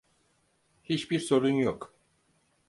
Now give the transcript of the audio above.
Hiçbir sorun yok.